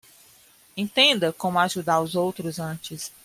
Entenda como ajudar os outros antes